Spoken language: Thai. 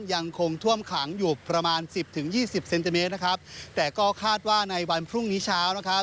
ยังคงท่วมขังอยู่ประมาณสิบถึงยี่สิบเซนติเมตรนะครับแต่ก็คาดว่าในวันพรุ่งนี้เช้านะครับ